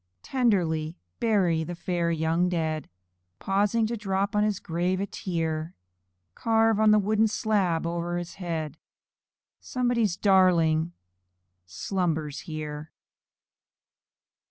Tenderly bury the fair young dead Pausing to drop on his grave a tear; Carve on the wooden slab o'er his head "Somebody's darling slumbers here."